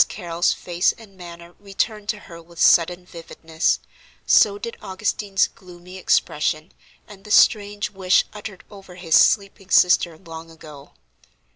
Carrol's face and manner returned to her with sudden vividness, so did Augustine's gloomy expression, and the strange wish uttered over his sleeping sister long ago.